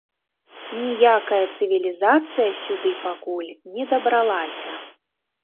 Ніякая цывілізацыя сюды пакуль не дабралася.